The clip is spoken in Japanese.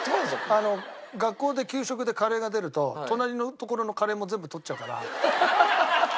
学校で給食でカレーが出ると隣のところのカレーも全部取っちゃうから。